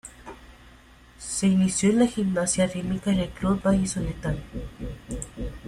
Se inició en la gimnasia rítmica en el Club Vallisoletano.